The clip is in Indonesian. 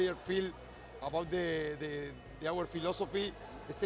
dan setiap pemain merasakan filosofi kita